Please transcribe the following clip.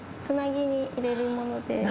つなぎに入れるもので。